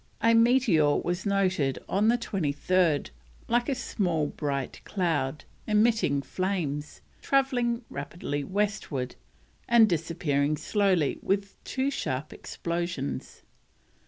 A meteor was noted on the 23rd, like a small bright cloud, emitting flames, travelling rapidly westward, and disappearing slowly with two sharp explosions.